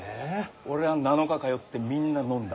俺は７日通ってみんな飲んだ。